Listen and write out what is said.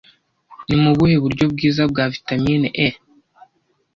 Ni ubuhe buryo bwiza bwa Vitamine 'E'